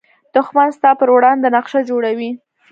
دښمن ستا پر وړاندې نقشه جوړوي